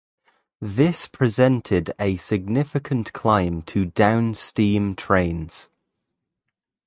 This presented a significant climb to down-steam trains.